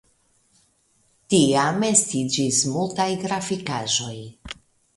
Tiam estiĝis multaj grafikaĵoj.